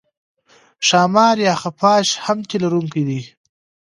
ښامار یا خفاش هم تی لرونکی دی